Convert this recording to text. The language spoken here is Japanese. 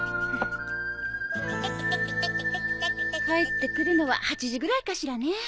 帰ってくるのは８時ぐらいかしらね。